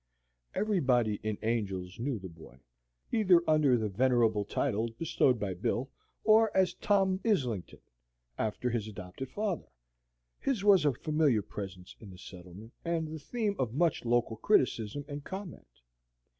Everybody in Angel's knew the boy. Either under the venerable title bestowed by Bill, or as "Tom Islington," after his adopted father, his was a familiar presence in the settlement, and the theme of much local criticism and comment.